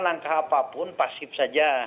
langkah apapun pasif saja